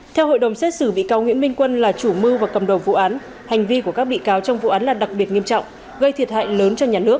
theo hội đồng xét xử bị cáo nguyễn minh quân là chủ mưu và cầm đầu vụ án hành vi của các bị cáo trong vụ án là đặc biệt nghiêm trọng gây thiệt hại lớn cho nhà nước